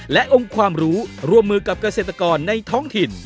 และองค์ความรู้ร่วมมือกับเกษตรกรในท้องถิ่น